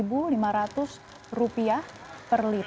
belum ada rencana pemerintah